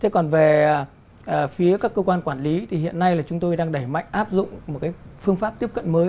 còn về phía các cơ quan quản lý thì hiện nay là chúng tôi đang đẩy mạnh áp dụng một phương pháp tiếp cận mới